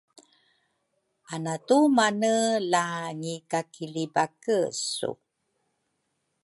anatumane la ngikakilibakesu.